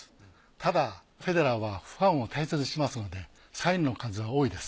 ただフェデラーはファンを大切にしますのでサインの数は多いです。